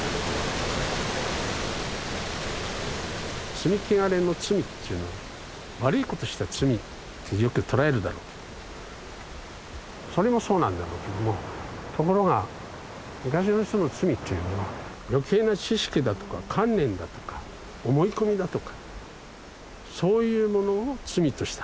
罪穢れの罪っていうのは悪いことした罪ってよく捉えるだろうけどそれもそうなんだろうけどもところが昔の人の罪というのは余計な知識だとか観念だとか思い込みだとかそういうものを罪としたの。